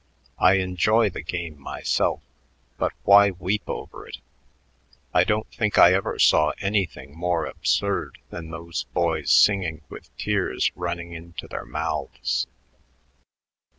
I enjoy the game myself, but why weep over it? I don't think I ever saw anything more absurd than those boys singing with tears running into their mouths."